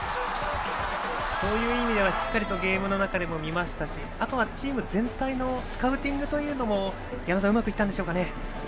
そういう意味ではしっかりゲームの中でも見ましたしあとはチーム全体のスカウティングというのも矢野さんうまくいったんでしょうかね。